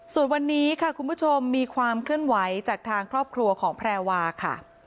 ส่วนวันนี้ค่ะคุณผู้ชมมีความเคลื่อนไหวจากทางครอบครัวของแพรวาค่ะ